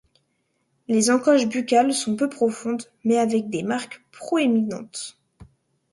Les encoches buccales sont peu profondes, mais avec des marques proéminentes.